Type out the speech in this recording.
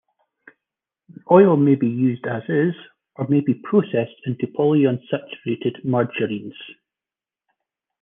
The oil may be used as is, or may be processed into polyunsaturated margarines.